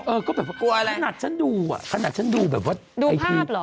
เอ่อก็แบบขนาดฉันดูแบบว่าไอทีมดูภาพเหรอ